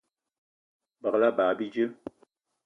Begela ebag bíjé